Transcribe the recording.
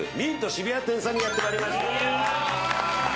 渋谷店さんにやってまいりました。